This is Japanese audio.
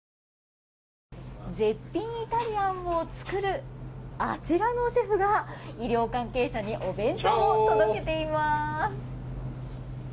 絶品イタリアンを作るあちらのシェフが医療関係者にお弁当を届けています。